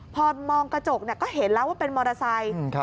พอมองกระจกก็เห็นแล้วว่าเป็นมอเตอร์ไซค์